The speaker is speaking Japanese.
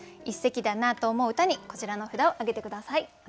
一席だなと思う歌にこちらの札をあげて下さい。